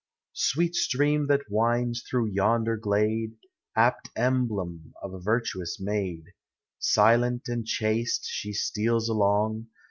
Sweet stream, that winds through yonder glade, Apt emblem of a virtuous maid Silent and chaste she steals along.